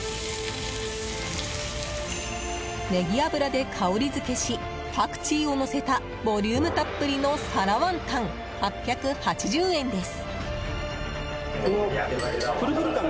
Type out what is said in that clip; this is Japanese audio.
ネギ油で香りづけしパクチーをのせたボリュームたっぷりの皿ワンタン８８０円です。